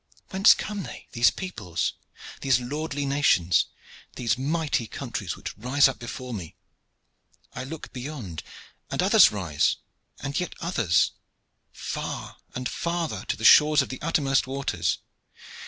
Whence come they, these peoples, these lordly nations, these mighty countries which rise up before me? I look beyond, and others rise, and yet others, far and farther to the shores of the uttermost waters.